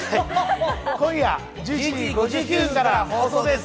今夜１１時５９分から放送です。